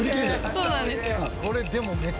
そうなんですよ。